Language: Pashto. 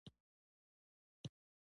ډېر ښه زما نوم محمد بلال ديه.